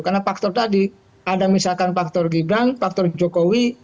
karena faktor tadi ada misalkan faktor gibran faktor jokowi